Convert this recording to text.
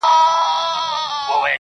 خپل مخ واړوې بل خواتــــه.